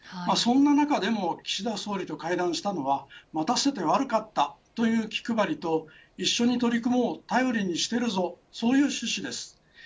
そんな中でも岸田総理と会談したのは待たせて悪かったという気配りと一緒に取り組もう頼りにしてるぞとそういう趣旨です。